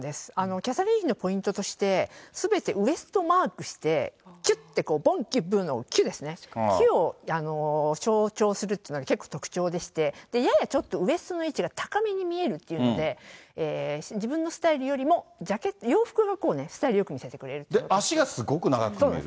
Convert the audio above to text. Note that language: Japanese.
キャサリン妃のポイントとして、すべてウエストマークして、きゅっと、ぼんきゅっぼんのきゅっですね、きゅっを強調するっていうのが結構特徴でして、ややちょっとウエストの位置が高めに見えるっていうので、自分のスタイルよりも洋服をこうね、足がすごく長く見える。